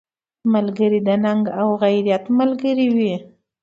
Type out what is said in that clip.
ملګری د ننګ او غیرت ملګری وي